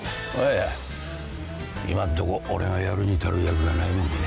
いや今んとこ俺がやるに足る役がないもんでね。